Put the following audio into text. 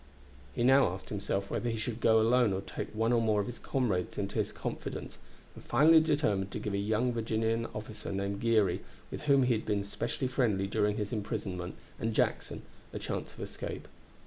He now asked himself whether he should go alone or take one or more of his comrades into his confidence, and finally determined to give a young Virginian officer named Geary, with whom he had been specially friendly during his imprisonment, and Jackson, a chance of escape.